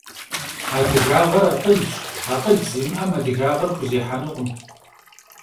Adıgağer akhılş, akhıl zimı'em adıgağer xuzêhenukhım.